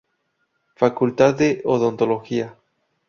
Facultad de Odontología.